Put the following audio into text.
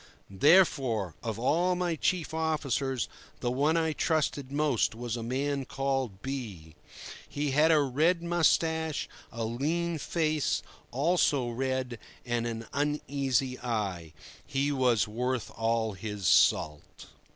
Therefore, of all my chief officers, the one I trusted most was a man called B—. He had a red moustache, a lean face, also red, and an uneasy eye. He was worth all his salt.